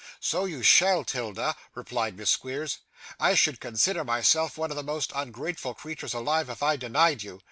'So you shall, 'Tilda,' replied Miss Squeers. 'I should consider myself one of the most ungrateful creatures alive, if I denied you.